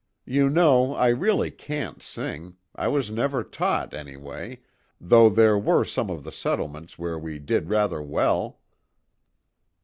"You know I really can't sing I was never taught, anyway, though there were some of the settlements where we did rather well."